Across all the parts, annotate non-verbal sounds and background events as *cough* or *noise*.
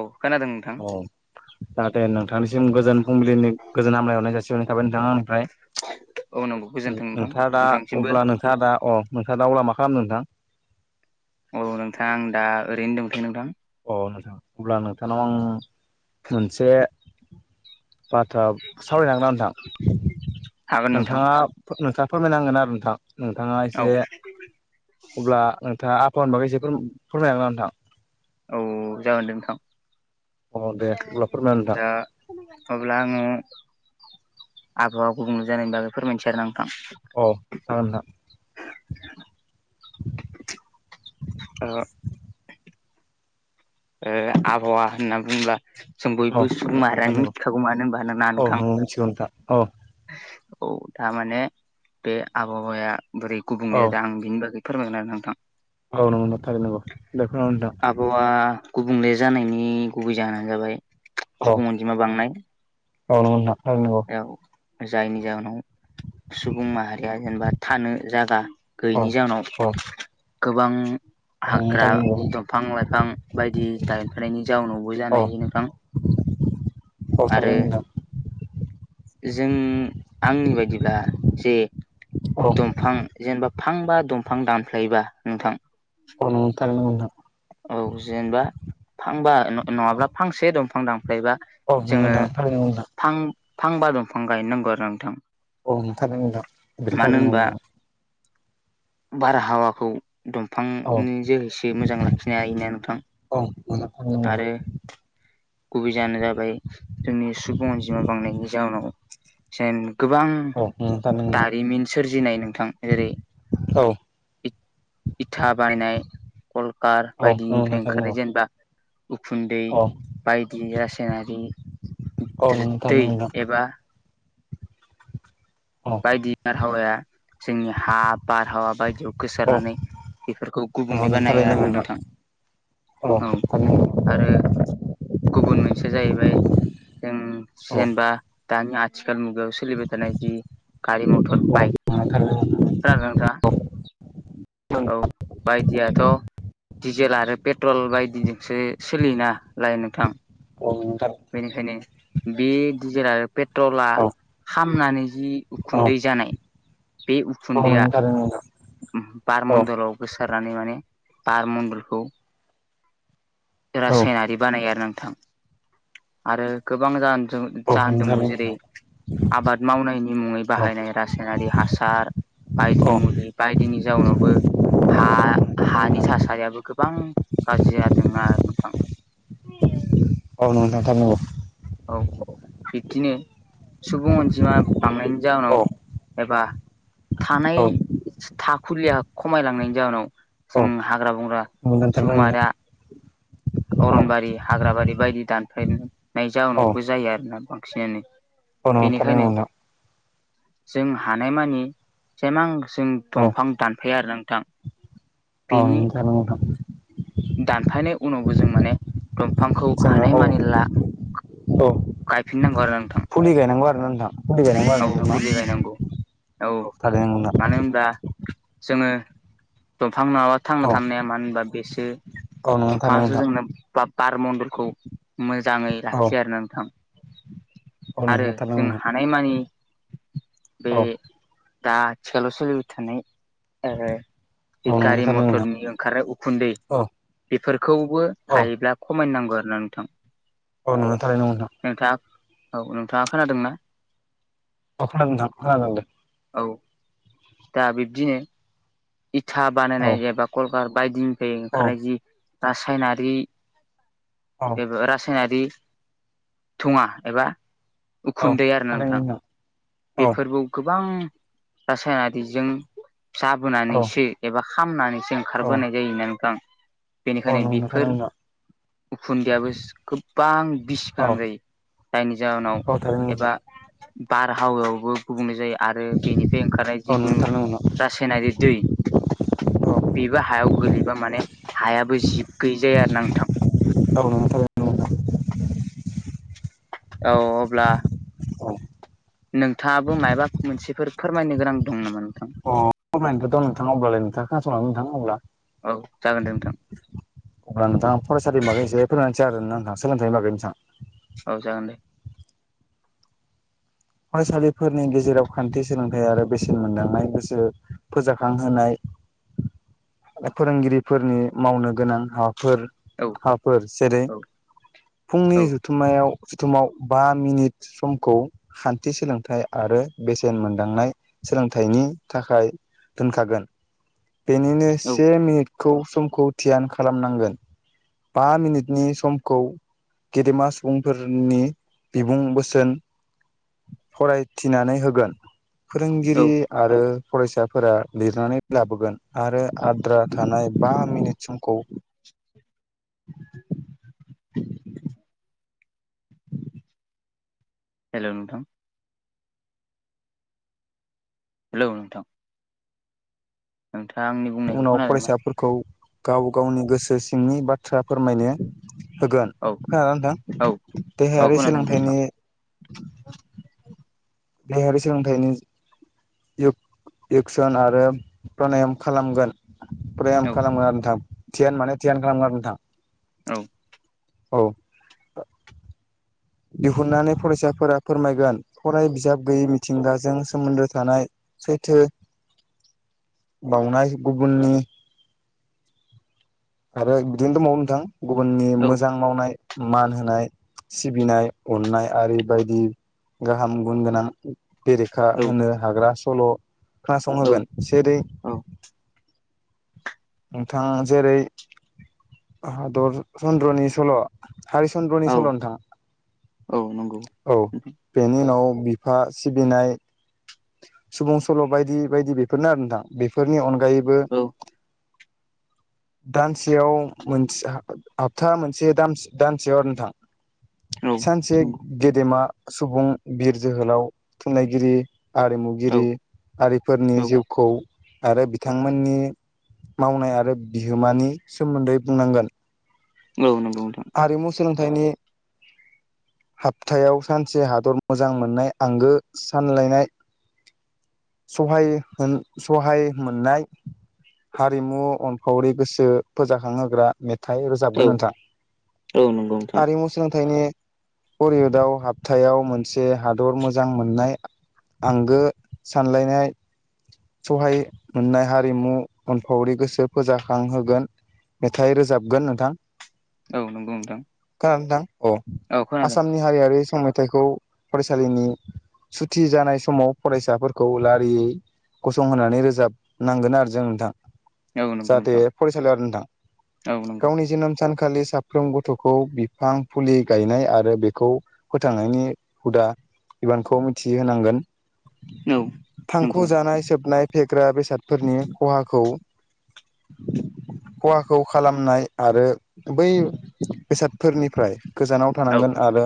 औ खोनादों नोंथां औ जाहाथे नोंथांनिसिम गोजोन फुंबिलिनि गोजोन हामलायहरनाय जासि *unintelligible* आं निफ्राय औ नंगौ गोजोन्थों नोंथां नोंथाङा दा नोंथांसिमबो अब्ला नोंथाङा दा अ नोंथाङा दा अब्ला मा खालामो नोंथां औ नोंथां दा ओरैनो दंथयो नोंथां अ नोंथां अब्ला नोंथांनाव आं मोनसे बाथ्रा सावरायनो हागोनना नोंथां? हागोन नोंथां नोंथाङा नोंथाङा फोरमायनांगोन आरो नोंथां नोंथाङा औ एसे अब्ला नोंथाङा फनबा एसे फोरमायनां नोंथां औ जागोन दे नोंथां अ दे अब्ला फोरमायना नोंथां दा अब्ला आङो आबहावा गुबुंले जानायनि बागै फोरमायसै आरो आं अ जागोन नोंथां *unintelligible* ऐ आबहावा होनना बुंङोब्ला जों औ बयबो सुबुं माहारियानो थारनांगौ मिथिखागौ मानो होनबा ना औ नोंथां? नोंगौ मिथिगौ नोंथां औ औ थारमाने बे आबहावाया बोरै गुबुंल औ जादों आं बेनि बागै फोरमायगोन आरो नोंथां। औ नंगौ नंगौ थारैनो नंगौ *unintelligible* आबहावा गुबुंले जानायनि गुबै जाहोनानो जाबाय औ सुबुं अनजिमा बांनाय औ नंगौ नोंथां थारैनो नोंगौ। औ जायनि जाहोनाव सुबुं माहारिया जेनेबा थानो जागा औ गैयैनि जाहोनाव औ गोबां औ नों हाग्रा थारैनो नंगौ दंफां लाइफां बायदि दानफानायनि जाउनावबो जानो हायो नोंथां। आरो *unintelligible* जों आंनि बायदिब्ला जे औ दंफां जेनेबा फांबा दंफां दानफ्लायोबा नोंथां अ नंगौ थारैनो नंगौ नोंथां। औ जेनेबा फांबा नङाब्ला फांसे दंफां दा बिलायबा जोङो थारैनो नंगौ फां फांबा दंफां गायनो नांगौ आरो नोंथां। मानो होनबा *unintelligible* बारहावाखौ नोंथां औ दंफांनि जोहैसो मोजां लाखिनो हायोना नोंथां। आरो *unintelligible* गुबै जाहोनो जाबाय जोंनि सुबुं अनजिमा बांनायनि जाहोनाव। जेन गोबां नोंथां औ नंगौ थारैनो नंगौ नोंथां दारिमिन सोरजिनाय नोंथां जेरै औ इथ इथा बायनाय कलकार औ नंगौ नोंथां बायदिनिफ्राय थारैनो ओंखारनाय नंगौ जेनेबा उखुन्दै औ बायदि रासायनारि औ नंगौ थारैनो दै नंगौ नोंथां औ नंगौ नोंथां थारैनो नंगौ नोंथां औ थारैनो नंगौ नोंथां। औ नंगौ थारैनो नंगौ नोंथां। औ नंगौ थारैनो औ नंगौ थारैनो नंगौ एबा नोंथां। औ नंगौ थारैनो नंगौ नोंथां। औ नंगौ थारैनो नंगौ नोंथां। बायदि बारहावाया जोंनि हा बारहावा बायदियाव औ नंगौ गोसारनानै बेफोरखौ गुबुंले बानायो आरो ना नोंथां औ आरो गुबुन मोनसेया जाहैबाय जों जेनबा दानि आथ आथिखाल मुगायाव सोलिबाय थानाय जि गारि मटर बाइक खोनादों ना नोंथां? औ बायदियाथ' दिडिजेल आरो पेट्रल बायदिजोंसो सोलि नालाय नोंथां बेनिखायनो बे डिजेेल आरो पेट्रला खामनानै जि उखुन्दै जानाय बे उखुन्दैआ बार मन्दलाव गोसार नानै माने बार मन्दलखौ रासायनारि बानायो आरो नोंथां आरो गोबां जान जों जाहोन दोंबावो जेरै आबाद मावनायनि मुङै बाहायनाय रासायनारि हासार बायदि मुलि बायदिनि जाउनावबो हा हानि थासारियाबो गोबां गाज्रि जादों आरो। नोंथां औ नंगौ नोथां नंगौ। औ बिबदिनो सुबुं अनजिमा बांनायनि औ जाहोनाव एबा थानाय थाखुलिुलिया खमायलांनायनि जाउवोनाव औ जों हाग्रा बंग्रा नंगौ नोंथां सुबुं नंगौ माहारिया औ अरनबारि हाग्राबारि बायदि दानफायनाय औ जाउनावबो जायो आरोना बांसिनानो बेनिखायनो *unintelligible* जों हानायमानि जेमां जों औ दंफां दानफाया आरो नोंथां। *inaudible* बेनि *unintelligible* दानफायनाय उनावबो जों माने दंफांखौ जोङो हानाय औ मानिला औ गायफिरना *unintelligible* फुलि गायनांगौ आरोना नोंथां फुलि गायनांगौ आरो औ नोंथां ना फुलि बायनांगौ औ थारैनो नंगौ मानो होनब्ला जोङो दंफां नङाबा थांना नोंथां थानाया मानो होनबा बेसो औ नङ थानो उथां बा बार मन्दलखौ मोजाङै औ लाखियो आरो नोंथां औ आरो नंगौ थारैनो जों नोंथां हानायमानि बे औ दा आथिखालाव सोलिबाय थानाय बे औ नंगौ गारि थारैनो नोंथां मथरनि ओंखारनाय उखुन्दै औ बेफोरखौबो औ हायोब्ला खमाय नांगौ आरो ना नोंथां औ नुनो *unintelligible* नोंथाङा औ नोंथाङा खोनादोंना। औ खोनादों नोंथां औ दा बिब्दिनो इथा औ बानायनाय एबा कलकार बायदिनिफ्राय औ ओंखारनाय जि रासायनारि औ एबा रासायनारि धुङा एबा औ उखुन्दै आरो थारैनो नोंथां औ बेफोरबो गोबां रासायनारिजों *unintelligible* औ लाबोनानैसो एबा खामनानैसो औ ओंखारबोनाय जायो होननानैखौ आं औ बेनिखायनो नंगौ बेफोर थारैनो उखुन्दैयाबो गोबां बिसि नोंथां औ गोनां जायो जायनि जाहोनाव औ थारैनो एबा नोंथां बारहावायावबो गुबुंनाय जायो आरो बेनिफ्राय ओंखारनाय औ जिखुनु नंगौ थारैनो नोंथां रासायनाारि औ बेबो हायाव गोलैबा माने हायाबो जिब गैजायो बे आरो ना नोंथां। गावनानै *unintelligible* औ अब्ला औ नोंथाङाबो माबा मोनसेफोर फोरमायनो गोनां दं नामा नोंथां अब्ला अब्लालाय नोंथाङ खास'ला नोंथाङा अब्ला औ जागोन दे नोंथां अब्ला नोंथाङा फरायसालि मागैसे फोरोंनानैस जादों नोंथां सोलोंथाइनि बागै नोंथां औ जागोदे फरायसालिफोरनि गेजेराव खान्थि सोलोंथाइ आरो बेसेन मोनदांनाय गोसो फोजाखांहोनाय फोरोंगिरिफोरनि मावनो गोनां हाबा फोर औ हाफोर जेरै औ फुंनि औ जुथुमायाव जुथुमाव बा मिनिट समखौ खान्थि सोलोंथाइ आरो बेसेन मोनदांनाय सोलोंथाइनि थाखाय दोनखागोन बेनिनो औ से मिनिट खौ समखौ धियान खालामनांगोन बा मिनिटनि समखौ गेदेमा सुबुंफोरनि बिबुं बोसोन फरायथिनानै होगोन फोरोंगिरि औ आरो फरायसाफोरा लिरनानै लाबोगोन आरो आद्रा थानाय बा मिनिट समखौ *inaudible* हेल' नोंथां हेलौ नोंथां नोंथाङा आंनि बुंनायखौ उनाव खोनादोंना? फरायसाफोरखौ गाव गावनि गोसो सिंनि बाथ्रा बाथ्रा फोरमायनो होगोन औ खोना नोंथां औ औ देहायारि खोनादों दे नोंथां सोलोंथाइनि देहायारि सोलोंथाइनि एकसन आरो प्रनाायम खालामगोन औ *unintelligible* खालामो आरो नोंथां, धियान माने धियान खालामो आरो नोंथां। औ औ दिहुननानै फरायसाफोरा फोरमायगोन। फराय बिजाब गैयै मिथिंगाजों सोमोन्दो थानाय सैथो बावनाय गुबुननि आरो बिदिनो दंबावो नोंथां। गुबुननि औ मोजां मावनाय मान होनाय सिबिनाय अननाय आरि बायदि गाहाम गुन गोनां। बेरेखा औ होनो हाग्रा सल' औ खोनासंहोगोन जेरै औ नोंथां जेरै हादर चन्द्रनि सल' हारि चन्द्रनि औ सल' नोंथां औ नंगौ औ बेनि उनाव बिफा सिबिनाय सुबुं सल' बायदि बायदि बेफोरनो आरो नोंथां। बेफोरनि अनगायैबो औ *inaudible* दानसेयाव मोनसे हाबथा मोनसे दानसे दानसेयाव आरो नोंथां। सानसे नंगौ गेदेमा सुबुं बिर जोहोलाव थुनलाइगिरि औ आरिमुगिरि आरिफोरनि औ जिउखौ आरो बिथांमोननि मावनाय आरो बिहोमानि सोमोन्दै बुंनांगोन। औ नंगौ नोंथां। बेखायनो हपथायाव सानसे हादर मोजां मोननाय आंगो सानलायनाय सहाय होन सहाय मोननाय हारिमु अनफावरि गोसो फोजाखांहोग्रा मे थाइ रोजाबगोन औ नोंथां। औ नंगौ नोंथां आरिमु सोलोंथाइनि *unintelligible* हाबथायाव मोनसे हादर मोजां मोननाय आंगो सानलायनाय सहाय मोननाय हारिमु उनफावरि गोसो फोजाखांहोगोन मेथाइ रोजाबगोन नोंथां। औ नंगौ नोंथां। औ नोंथां अ औ खोनादों आसामनि हारियारि मेथाइखौ फरायसालिनि सुथि जानाय समाव फरायसाफोरखौ लारियै गसंहोनानै रोजाबनांगोन आरो जों। औ नंगौ जाहाथे नोंथां फरायसालियाव नोंथां औ नंगौ गावनि जोनोम सानखौ आथिखालि साफ्रोम गथ'खौ बिफां फुलि गायनाय आरो बेखौ फोथांनायनि हुदा बिबानखौ मिथिहोनांगोन। औ नंगौ थांखु जानाय सोबनाय फेग्रा बेसादफोरनि खहाखौ खहाखौ खालामनाय आरो बै बेसादफोरनिफ्राय गोजानाव औ थानांगोन आरो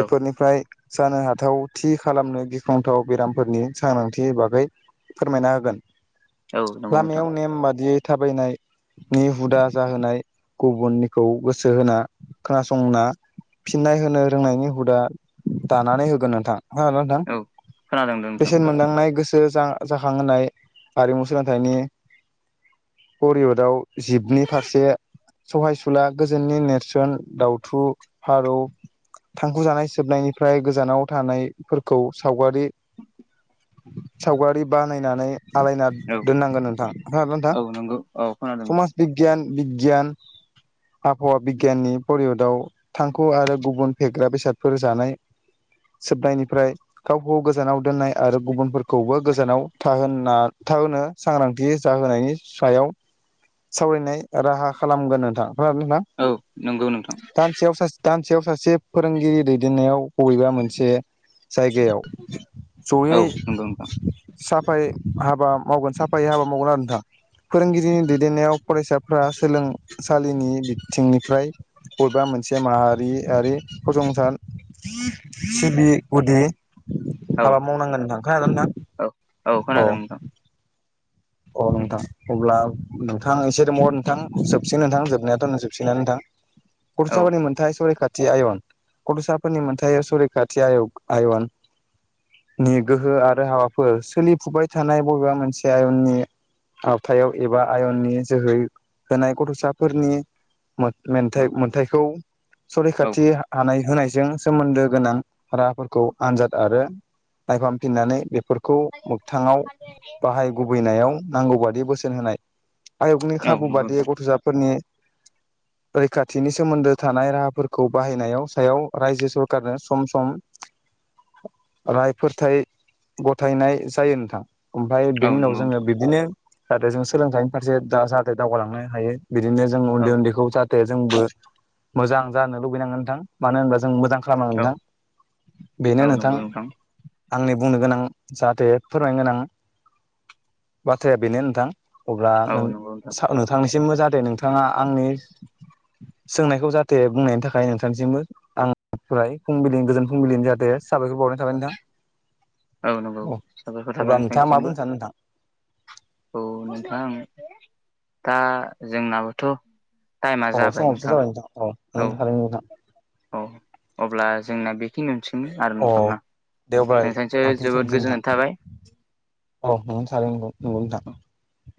औ जानो हाथाव थि खालामनो गिख्रंथाव बेरामफोरनि सांग्रांथि बागै फोरमायना होगोन। औ नंगौ नोंथां लामायाव नेम बादियै थाबायनायनि हुदा जाहोनाय गुबुननिखौ गोसो होना खोनासंना फिननाय होनो रोंनायनि हुदा दानानै होगोन नोंथां। खोनादों ना नोंथां? औ खोनादों नोंथां बेसेन मोनदांनाय गोसो जाखां होननाय आरिमु सोलोंथाइनि परिवदआव जिबनि फारसे सहायसुला गोजोननि नेरसोन दउथु, फारौ थांखु जानाय सोबनायनिफ्राय गोजानाव थानायफोरखौ सावगारि सावगारि बानायनानै आलायना औ दोननांगोन नोंथां। खोनादो नोंथां? औ नंगौ औ खोनादों नोंथां समाज बिगियान बिगियान आबहावा बिगियाननि परियदआव थांखु आरो गुबुन फेग्रा बेसादफोर जानाय सोबनायनिफ्राय गावखौ गोजानाव दोननाय आरो गुबुनफोरखौबो गोजानाव थाहोना थाहोनो सांग्रांथि जाहोनायनि सायाव सावरायनाय राहा खालामगोन नोंथां औ नंगौ नोंथां *unintelligible* दानसेयाव सा दानसेयाव सासे फोरोंगिरि दै दैदेननायाव बबेबा मोनसे जायगायाव औ जयै नंगौ नोंथां साफायै हाबा मावगोन साफायै हाबा मावगोन आरो नोंथां फोरोंगिरिनि दैदेननायाव फरायसाफोरा सोलोंसालिनि बिथिंनिफ्राय बबेबा मोनसे माहारियारि फसंथान सिबि गुदि औ हाबा मावनांगोन होनथां खोनादों ना नोंथां औ औ अ खोनादोंमोन नोंथां अ नोंथां अब्ला *unintelligible* थां एसे दङ नोंथां जोबसिगोन नोंथां जोबनायाथ' न जोबसिना नोंथां औ कुरसाबारिनि मोनथाय सरि खाथि आयन गथ'साफोरनि मोनथाय सरिखाथि आयग आयन नि गोहो आरो हाबाफोर सोलिफुबाय थानाय बबेबा मोनसे आयननि आवथायाव एबा आयननि जोहै होनाय गथ'साफोरनि मेनथाय औ मोनथायखौ औ सरैखाथि हानाय होनाय जों सोमोन्दो गोनां राहाफोरखौ आनजाद आरो नायफामफिननानै बेफोरखौ खौ मोगथाङाव बाहाय गुबैनायाव नांगौ बादि बोसोन होनाय आयगनि औ खाबु नंगौ नोंथां बादियै गथ'साफोरनि रैखाथिनि सोमोन्दो थानाय राहाफोरखौ बाहायनायाव सायाव रायजो सरखारनो सम सम रायफोरथाय गथायनाय जायो नोंथां ओमफाय औ बेनि उनाव नंगौ जोङो नोंथां बिब्दिनो जाहाथे जों सोलोंथाइनि फारसे दा जाहाथे दावगालांनो हायो बिदिनो जों औ उन्दै उन्दैखौ जाहाथे जोंबो मोजां जानो लुबैनांगोन नोंथां मानो होनबा जों मोजां खालामा औ नोंथां बेनो औ नोंथां नंगौ आंनि बुंनो गोनां जाहाथे फोरमायनो गोनां बाथ्राया बेनो नोंथां अब्ला औ नों नंगौ नोंथां नोंथांनिसिमबो जाथे नोंथाङा आंनि सोंनायखौ जाह थे बुंनायनि थाखाय नोंथांनिसिमबो आं फाय फुंबिलिनि गोजोन फुंबिलिनि जाहाथे साबायखखौ बावरनाय थाबाय नोंथां औ नंगौ अ साबायखर अब्ला थाबाय नोथां नोंथाङा मा सिमबो बुंनो सानो नोंथां औ नोंथां दा जोंनाबोथ' औ समावसो जाबाय नोंथां औ *unintelligible* औ अब्ला जोंना बेखिनि आरो अ नोंथांमोना देवबार नोंथांनिसो दाख्लैथ' जोबोद बिदि नोंथां गोजोननाय थाबाय औ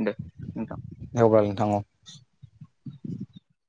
दे नोंथां *unintelligible* *unintelligible*